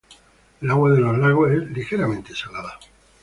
El agua de los lagos es ligeramente salada.